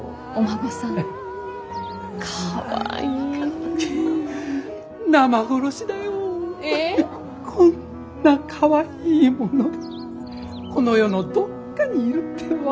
こんなかわいいものがこの世のどっかにいるって分かっちゃった。